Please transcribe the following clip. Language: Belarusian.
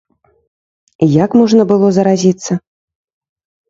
Як можна было заразіцца?